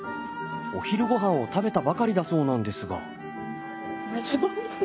お昼御飯を食べたばかりだそうなんですが。